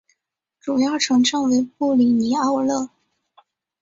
主要城镇为布里尼奥勒。